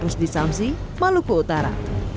rusdi samsi maluku utara